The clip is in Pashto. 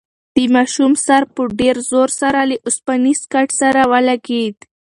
د ماشوم سر په ډېر زور له اوسپنیز کټ سره ولگېد.